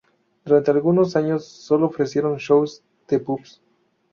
Durante algunos años sólo ofrecieron shows de pubs.